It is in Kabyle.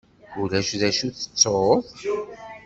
Ulac d acu tettuḍ?